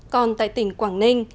còn tại tỉnh quảng ninh